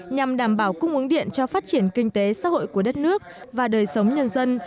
nhằm đảm bảo cung ứng điện cho phát triển kinh tế xã hội của đất nước và đời sống nhân dân